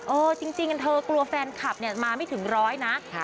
เออจริงเธอกลัวแฟนคลับเนี่ยมาไม่ถึงร้อยนะ